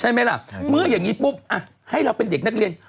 ใช่ไหมล่ะเมื่ออย่างนี้ปุ๊บให้เราเป็นเด็กนักเรียน